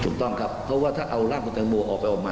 ถูกต้องครับเพราะว่าถ้าเอาร่างคุณตังโมออกไปออกมา